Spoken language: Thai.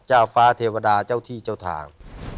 เจ้าฟ้าเทวดาเจ้าที่เจ้าทาง